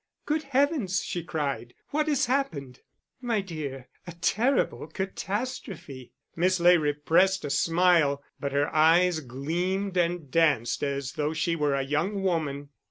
"Good Heavens," she cried, "what has happened?" "My dear a terrible catastrophe." Miss Ley repressed a smile, but her eyes gleamed and danced as though she were a young woman.